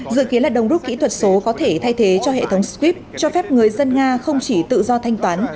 dự kiến là đồng rút kỹ thuật số có thể thay thế cho hệ thống skyp cho phép người dân nga không chỉ tự do thanh toán